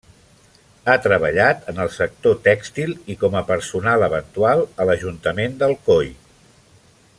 Ha treballat en el sector tèxtil i com a personal eventual a l'ajuntament d'Alcoi.